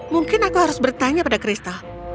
mungkin aku harus bertanya pada kristal